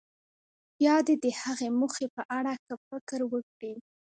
بیا دې د هغې موخې په اړه ښه فکر وکړي.